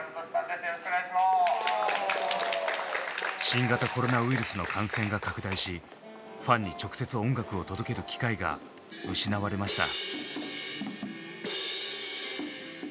新型コロナウイルスの感染が拡大しファンに直接音楽を届ける機会が失われました。